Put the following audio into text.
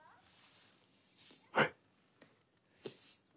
はい。